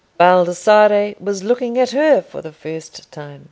Baldassarre was looking at her for the first time.